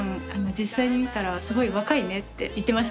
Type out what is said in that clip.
実際に見たらすごい若いね」って言ってました。